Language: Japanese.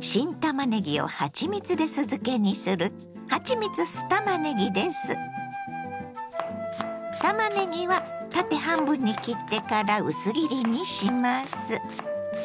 新たまねぎをはちみつで酢漬けにするたまねぎは縦半分に切ってから薄切りにします。